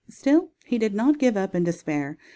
Still he did not give up in despair.